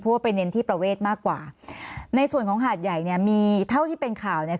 เพราะว่าไปเน้นที่ประเวทมากกว่าในส่วนของหาดใหญ่เนี่ยมีเท่าที่เป็นข่าวเนี่ย